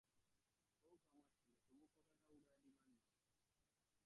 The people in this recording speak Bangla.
হোক আমার ছেলে তবু কথাটা উড়াইয়া দিবার নয়।